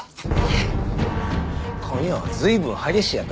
今夜は随分激しいやと？